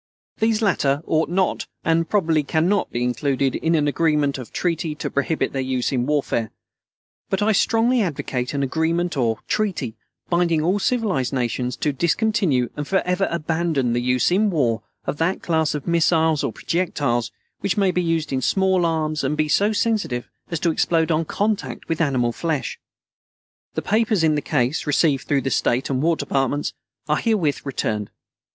These latter ought not and probably cannot be included in an agreement or treaty to prohibit their use in warfare; but I strongly advocate an agreement or treaty binding all civilized nations to discontinue and forever abandon the use in war of that class of missiles or projectiles which may be used in small arms and be so sensitive as to explode on contact with animal flesh. The papers in the case, received through the State and War Departments, are herewith returned.